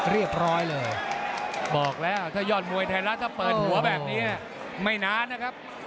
เรียบร้อยเลยบอกแล้วถ้ายอดมวยไทยรัฐถ้าเปิดหัวแบบนี้ไม่นานนะครับ